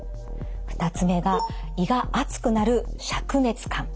２つ目が胃が熱くなるしゃく熱感。